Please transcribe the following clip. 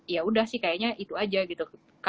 yaudah sih kayaknya itu aja gitu